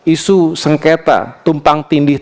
isu sengketa tumpang tindih